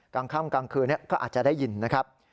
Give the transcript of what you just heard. กลางค่ำกลางคืนก็อาจจะได้ยินนะครับ